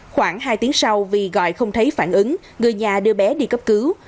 khoảng hai tiếng sau vì gọi không thấy phản ứng người nhà đưa bé đi cấp cứu